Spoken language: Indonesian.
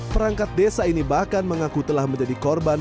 perangkat desa ini bahkan mengaku telah menjadi korban